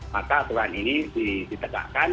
maka aturan ini ditegakkan